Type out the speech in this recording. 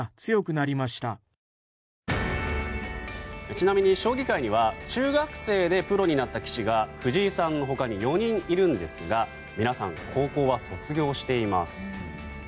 ちなみに将棋界には中学生でプロになった棋士が藤井さんの他に４人いるんですが皆さん、高校は卒業しています。